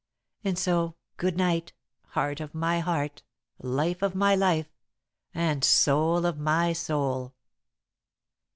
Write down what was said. "And so, good night heart of my heart, life of my life, and soul of my soul.